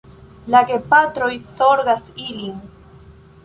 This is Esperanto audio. La gepatroj zorgas ilin.